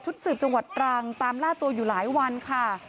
สืบจังหวัดตรังตามล่าตัวอยู่หลายวันค่ะ